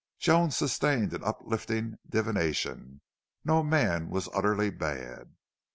Joan sustained an uplifting divination no man was utterly bad.